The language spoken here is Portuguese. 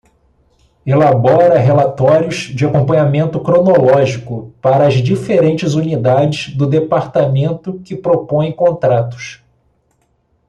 Elabora relatórios de acompanhamento cronológico para as diferentes unidades do Departamento que propõem contratos.